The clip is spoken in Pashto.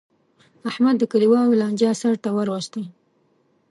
احمد د کلیوالو لانجه سرته ور وستله.